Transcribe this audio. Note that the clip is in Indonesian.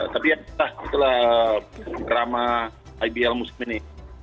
tapi ya itulah itulah programa ibl musim ini